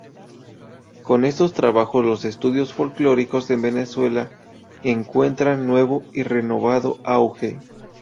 Con estos trabajos los estudios folklóricos en Venezuela encuentran nuevo y renovado auge.